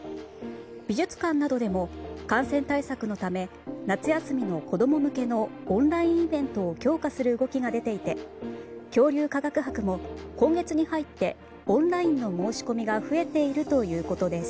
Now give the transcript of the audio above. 美術館などでも感染対策のため夏休みの子供向けのオンラインイベントを強化する動きが出ていて恐竜科学博も今月に入ってオンラインの申し込みが増えているということです。